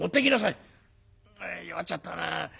「弱っちゃったな。